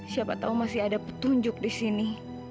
siapa tahu masih ada petunjuk di sini